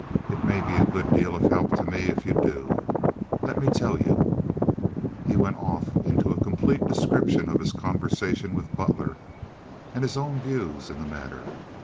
It may be a good deal of help to me if you do. Let me tell you—" He went off into a complete description of his conversation with Butler and his own views in the matter.